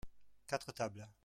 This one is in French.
quatre tables.